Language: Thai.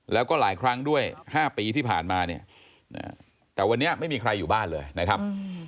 แล้วก็หลายครั้งด้วย๕ปีที่ผ่านมาเนี่ยแต่วันนี้ไม่มีใครอยู่บ้านเลยนะครับ